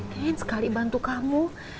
mungkin sekali bantu kamu